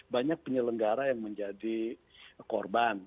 banyak penyelenggara yang menjadi korban